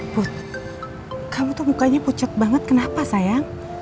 put kamu tuh mukanya pucat banget kenapa sayang